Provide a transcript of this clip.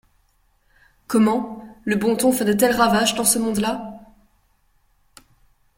Comment ! le bon ton fait de tels ravages dans ce monde-là ?